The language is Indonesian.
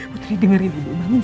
putri dengerin ibu bangun